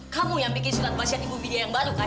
kamu yang bikin surat pasien ibu bidia yang baru kan